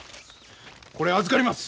これ預かります！